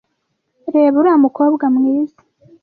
Reba uriya mukobwa mwiza.